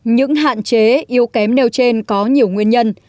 những hạn chế yếu kém nêu trên có nhiều nguyên nhân